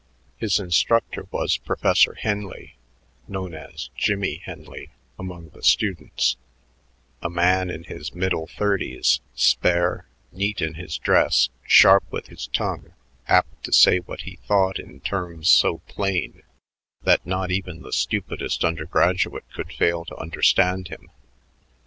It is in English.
His instructor was Professor Henley, known as Jimmie Henley among the students, a man in his middle thirties, spare, neat in his dress, sharp with his tongue, apt to say what he thought in terms so plain that not even the stupidest undergraduate could fail to understand him.